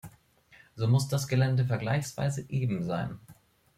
So muss das Gelände vergleichsweise eben sein.